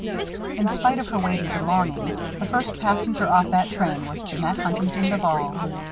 In spite of her weighty belongings, the first passenger off that train was Jeannette Huntington Duval.